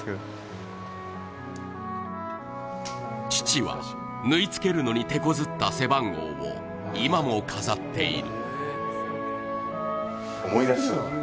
父は、縫い付けるのに手こずった背番号を今も飾っている。